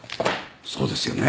そうですよね。